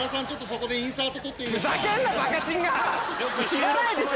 いらないでしょ！